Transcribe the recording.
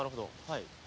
はい。